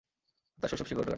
তার শৈশব শিকাগোতে কাটে।